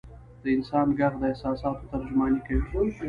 د انسان ږغ د احساساتو ترجماني کوي.